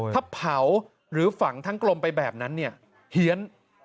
ถ้าเผาหรือฝังทั้งกลมไปแบบนั้นเนี่ยเฮียน